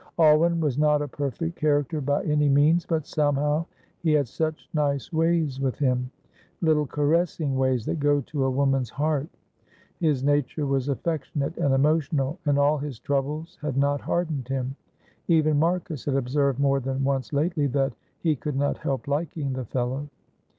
Alwyn was not a perfect character by any means, but somehow he had such nice ways with him, little caressing ways that go to a woman's heart. His nature was affectionate and emotional, and all his troubles had not hardened him. Even Marcus had observed more than once lately that "he could not help liking the fellow."